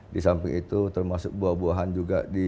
di samping itu termasuk buah buahan juga di sini